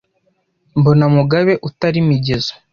Mbona Mugabe utari Migezo